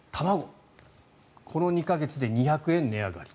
この２か月で２００円値上がり。